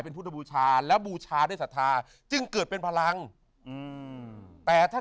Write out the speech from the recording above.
เป็นพุทธบูชาแล้วบูชาด้วยศรัทธาจึงเกิดเป็นพลังอืมแต่ถ้า